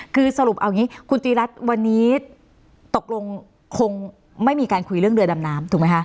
คือสรุปเอาอย่างนี้คุณตีรัฐวันนี้ตกลงคงไม่มีการคุยเรื่องเรือดำน้ำถูกไหมคะ